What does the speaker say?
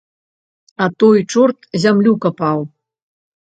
А той чорт зямлю капаў.